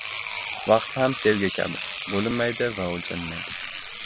Vaqt ham sevgi kabi, bo‘linmaydi va o‘lchanmaydi.